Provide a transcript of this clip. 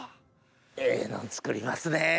ええのん作りますね！